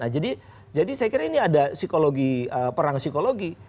jadi saya kira ini ada perang psikologi